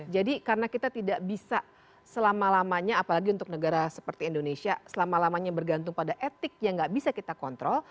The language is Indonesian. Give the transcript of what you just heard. jadi karena kita tidak bisa selama lamanya apalagi untuk negara seperti indonesia selama lamanya bergantung pada etik yang gak bisa kita kontrol